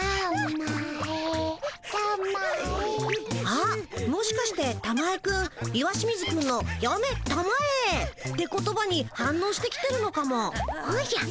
あっもしかしてたまえくん石清水くんの「やめたまえ」って言葉に反のうして来てるのかも。おじゃ。